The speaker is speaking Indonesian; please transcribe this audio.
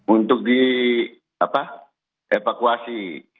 untuk di apa evakuasi